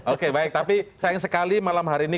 oke baik tapi sayang sekali malam hari ini